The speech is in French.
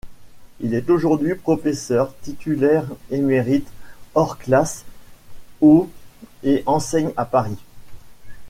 Il est aujourd'hui professeur titulaire émérite hors classe au et enseigne à Paris.